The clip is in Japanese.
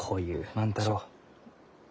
万太郎。